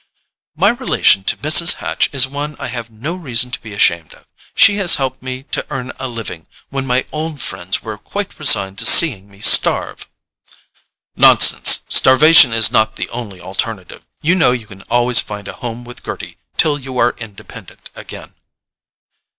"My relation to Mrs. Hatch is one I have no reason to be ashamed of. She has helped me to earn a living when my old friends were quite resigned to seeing me starve." "Nonsense! Starvation is not the only alternative. You know you can always find a home with Gerty till you are independent again."